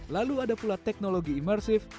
lalu ada pula teknologi imersif